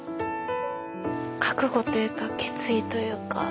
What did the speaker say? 覚悟というか決意というか。